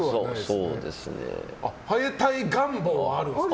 生えたい願望はあるんですか。